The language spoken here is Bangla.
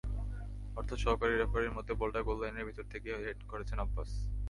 অর্থাৎ সহকারী রেফারির মতে, বলটা গোললাইনের ভেতর থেকেই হেড করেছেন আব্বাস।